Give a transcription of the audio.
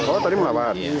oh tadi melawan